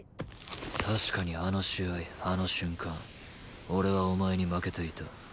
確かにあの試合あの瞬間俺はお前に負けていた。